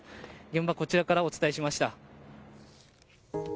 現場からお伝えしました。